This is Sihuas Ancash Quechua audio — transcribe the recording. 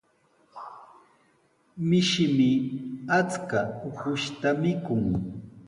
Mishimi achka ukushta mikun.